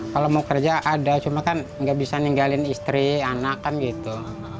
kalau mau kerja ada cuma kan nggak bisa ninggalin istri anak kan gitu